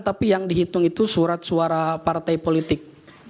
tapi yang dihitung itu surat suara partai politik